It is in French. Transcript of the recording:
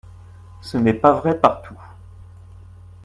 Ce n’est pas vrai partout.